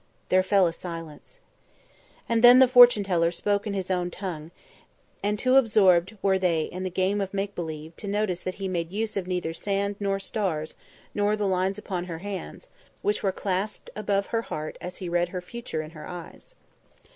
There fell a silence. And then the fortune teller spoke in his own tongue, and too absorbed were they in the game of make believe to notice that he made use of neither sand nor stars nor the lines upon her hands, which were clasped above her heart, as he read her future in her eyes.